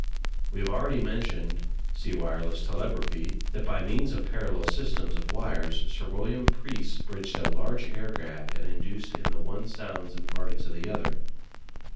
We have already mentioned (see "Wireless Telegraphy") that by means of parallel systems of wires Sir William Preece bridged a large air gap, and induced in the one sounds imparted to the other.